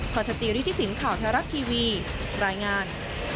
ขอสจริทธิสินข่าวทารักษ์ทีวีรายงาน